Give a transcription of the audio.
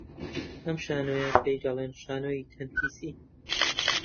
ئەم شانۆییە پێی دەڵێن شانۆی تەنفیسی